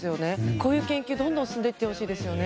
こういう研究、どんどん進んでいってほしいです。